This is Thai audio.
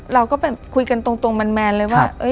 เราก็แบบคุยกันตรงแมนเลยว่า